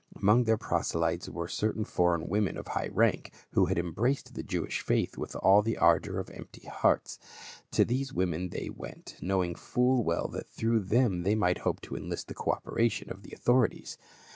Among their proselytes were certain foreign women of high rank, who had embraced the Jewish faith with all the ardor of empty hearts. To these women they went, knowing full well that through them they might hope to enlist the co operation of the authorities.